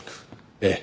ええ。